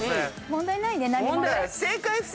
問題ないね何もね。